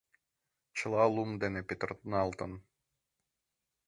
Чыла лум дене петырналтын.